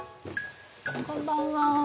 こんばんは。